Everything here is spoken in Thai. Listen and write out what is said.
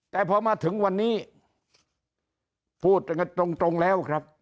แต่พอมาถึงวันนี้พูดกันตรงแล้วครับ